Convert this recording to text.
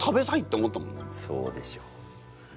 そうでしょ。